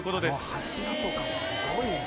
柱とかすごいな。